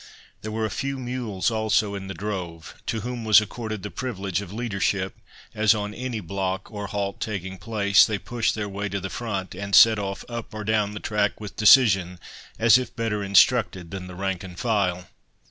There were a few mules also in the drove, to whom was accorded the privilege of leadership, as on any block or halt taking place, they pushed their way to the front, and set off up or down the track with decision, as if better instructed than the rank and file.